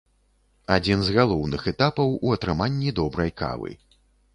Адзін з галоўных этапаў у атрыманні добрай кавы.